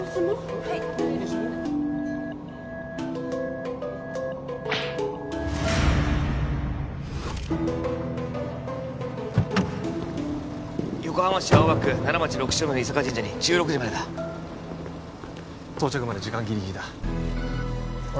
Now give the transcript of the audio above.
はい横浜市青葉区奈良町６丁目の伊坂神社に１６時までだ到着まで時間ギリギリだおい